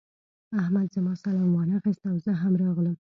احمد زما سلام وانخيست او زه هم راغلم.